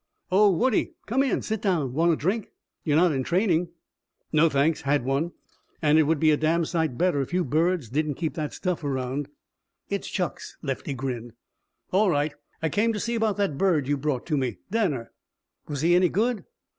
"Oh, Woodie. Come in. Sit down. Want a drink you're not in training?" "No, thanks. Had one. And it would be a damn sight better if you birds didn't keep the stuff around." "It's Chuck's." Lefty grinned. "All right. I came to see about that bird you brought to me Danner." "Was he any good?"